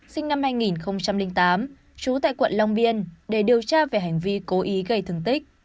sinh năm hai nghìn tám trú tại quận long biên để điều tra về hành vi cố ý gây thương tích